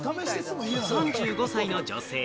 ３５歳の女性。